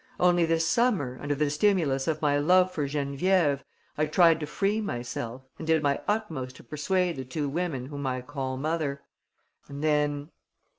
Only this summer, under the stimulus of my love for Geneviève, I tried to free myself and did my utmost to persuade the two women whom I call mother. And then